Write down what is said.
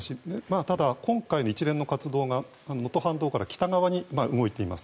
ただ、今回の一連の活動が能登半島から北側に動いています。